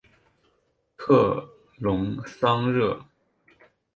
特龙桑热。